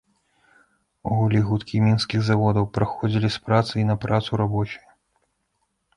Гулі гудкі мінскіх заводаў, праходзілі з працы і на працу рабочыя.